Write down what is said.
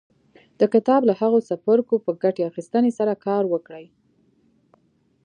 د کتاب له هغو څپرکو په ګټې اخيستنې سره کار وکړئ.